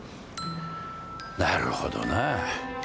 なるほどな。